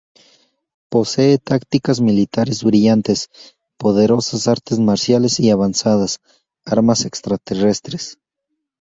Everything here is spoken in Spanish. Posee tácticas militares brillantes, poderosas artes marciales y avanzadas armas extraterrestres.